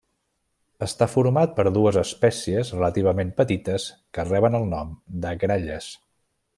Està forma per dues espècies relativament petites que reben el nom de gralles.